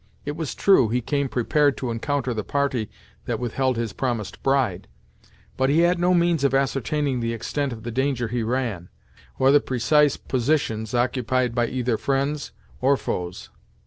It was true, he came prepared to encounter the party that withheld his promised bride, but he had no means ascertaining the extent of the danger he ran, or the precise positions occupied by either friends, or foes.